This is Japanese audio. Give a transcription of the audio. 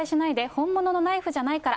本物のナイフじゃないから。